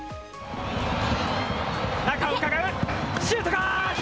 中をうかがう、シュートだ。